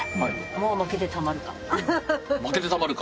もう負けてたまるか。